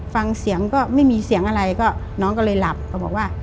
ฟังเสียงก็ไม่มีเสียงอะไรก็น้องก็เลยหลับก็บอกว่า